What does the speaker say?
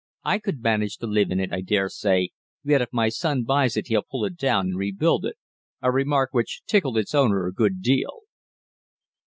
I could manage to live in it, I dare say, but if my son buys it he'll pull it down and rebuild it," a remark which tickled its owner a good deal.